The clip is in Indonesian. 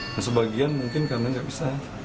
nah sebagian mungkin karena nggak bisa